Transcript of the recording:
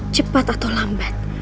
cepat atau lambat